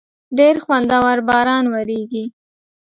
ډېر خوندور باران وریږی